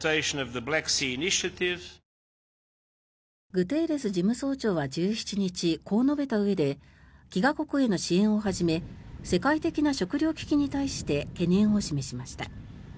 グテーレス事務総長は１７日こう述べたうえで飢餓国への支援をはじめ世界的な食糧危機に対して懸念を示しました。